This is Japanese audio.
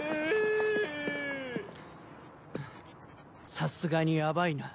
さすがにやばいな。